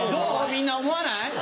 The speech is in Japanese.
みんな思わない？